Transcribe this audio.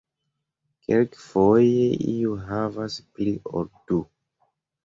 Kelkfoje iu havas pli ol du.